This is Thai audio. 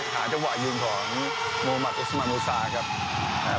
หาเจ้าหว่ายิงของมัวหมัดอิสมะนุสาครับ